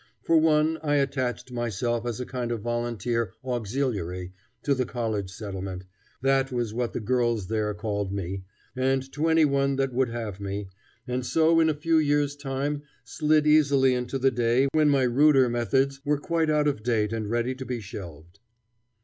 For one, I attached myself as a kind of volunteer "auxiliary" to the College Settlement that was what the girls there called me and to any one that would have me, and so in a few years' time slid easily into the day when my ruder methods were quite out of date and ready to be shelved.